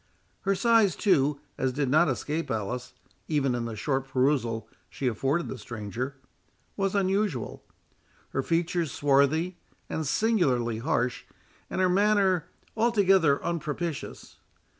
Her size, too, as did not escape Alice, even in the short perusal she afforded the stranger, was unusual; her features swarthy and singularly harsh, and her manner altogether unpropitious.